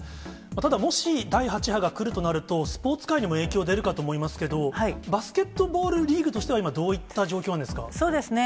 ただ、もし第８波が来るとなると、スポーツ界にも影響出るかと思いますけれども、バスケットボールリーグとしては今、どういった状況なんですか。